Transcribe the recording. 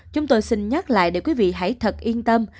chúng tôi xin nhắc lại để quý vị hãy thật yên tâm